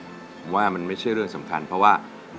ผมว่ามันไม่ใช่เรื่องสำคัญเพราะว่า